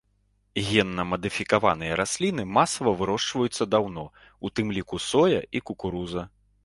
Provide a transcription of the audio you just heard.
Генна-мадыфікаваныя расліны масава вырошчваюцца даўно, у тым ліку соя і кукуруза.